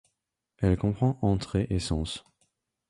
Elle comprend entrées et sens.